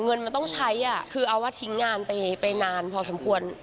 เงินมันต้องใช้คือเอาว่าทิ้งงานไปนานพอสมควร